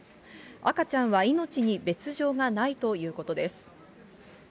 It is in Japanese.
赤ちゃんは命に別状がないということです。